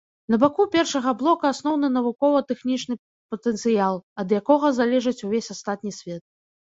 На баку першага блока асноўны навукова-тэхнічны патэнцыял, ад якога залежыць увесь астатні свет.